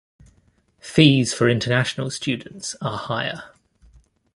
Fees for international students are higher.